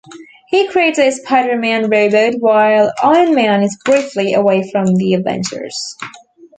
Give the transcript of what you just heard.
He creates a Spider-Man robot while Iron Man is briefly away from the Avengers.